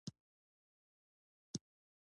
د زیاتې غوړه مالۍ تر شا خیانت پټ وي.